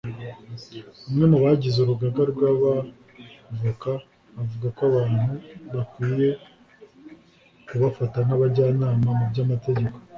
umwe mu bagize urugaga rw’Abavoka avuga ko abantu bakwiye kubafata nk’abajyanama mu by’amategeko